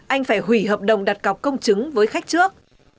anh phải hủy hợp đồng đặt cọc công chứng với khách trước